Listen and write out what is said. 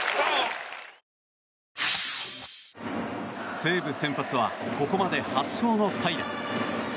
西武先発はここまで８勝の平良。